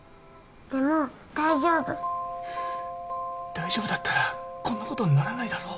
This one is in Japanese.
大丈夫だったらこんなことにならないだろ？